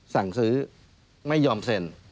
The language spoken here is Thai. สั่งซื้อไม่ยอมเซ็น